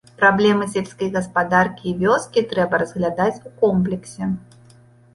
Праблемы сельскай гаспадаркі і вёскі трэба разглядаць у комплексе.